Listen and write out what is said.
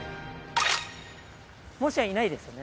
もしやいないですよね？